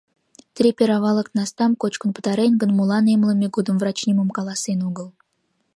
«Трипер авалык настам кочкын пытарен гын, молан эмлыме годым врач нимом каласен огыл?